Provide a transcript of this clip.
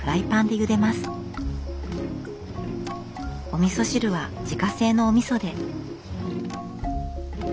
おみそ汁は自家製のおみそで。